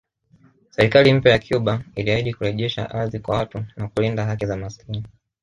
Serikali mpya ya Cuba iliahidi kurejesha ardhi kwa watu na kulinda haki za maskini